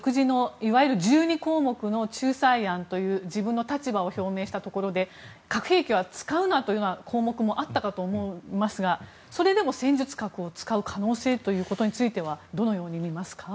いわゆる１２項目の仲裁案という自分の立場を表明したところで核兵器は使うなという項目もあったかと思いますがそれでも戦術核を使う可能性についてはどのように見ますか？